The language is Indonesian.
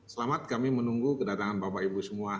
selamat kami menunggu kedatangan bapak ibu semua